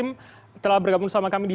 tim telah bergabung sama kami di